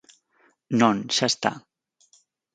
Non, ¡xa está!